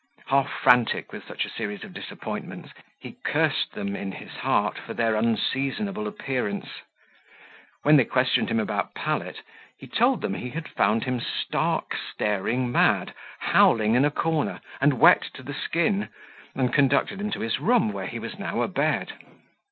Half frantic with such a series of disappointments, he cursed them in his heart for their unseasonable appearance. When they questioned him about Pallet, he told them he had found him stark staring mad, howling in a corner, and wet to the skin, and conducted him to his room, where he was now abed.